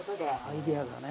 アイデアだね。